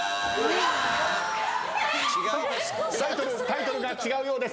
タイトルが違うようです。